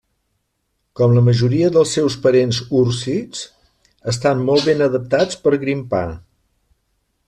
Com la majoria dels seus parents úrsids, estan molt ben adaptats per grimpar.